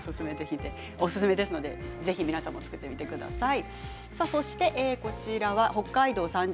おすすめですのでぜひ皆さんも作ってみてください。